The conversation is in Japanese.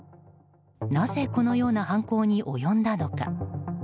なぜこのような犯行に及んだのか。